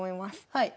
はい。